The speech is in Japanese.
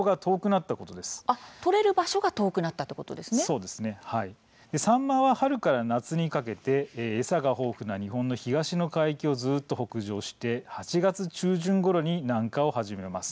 取れる場所が遠くなったサンマは春から夏にかけて餌が豊富な日本の東の海域を北上して、８月中旬ごろに南下を始めます。